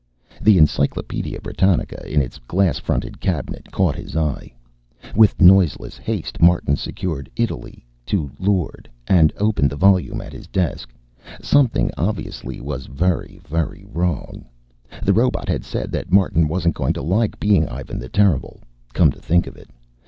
The Encyclopedia Britannica, in its glass fronted cabinet, caught his eye. With noiseless haste, Martin secured ITALY to LORD and opened the volume at his desk. Something, obviously, was very, very wrong. The robot had said that Martin wasn't going to like being Ivan the Terrible, come to think of it.